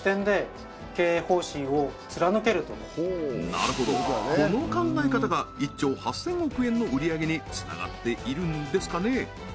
なるほどこの考え方が１兆８０００億円の売り上げにつながっているんですかね？